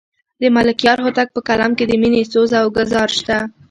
د ملکیار هوتک په کلام کې د مینې سوز او ګداز شته.